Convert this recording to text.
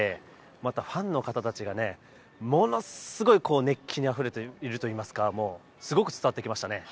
また、ファンの方たちがものすごい熱気にあふれているといいますかすごく伝わってきましたね。